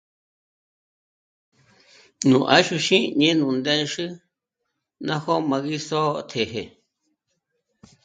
Nú 'àxuxí ñé'e nú ndë́nxü ná jó'o m'â gí só'o tjë́je